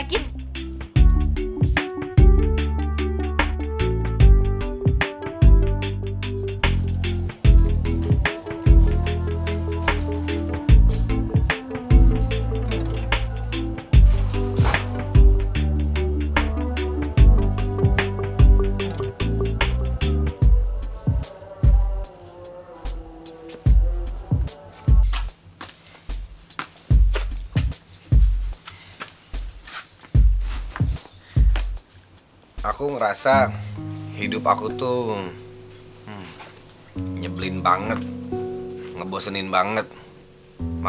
kau pergi saat ku mulai cinta